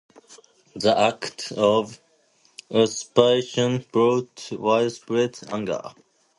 The act of usurpation brought widespread anger.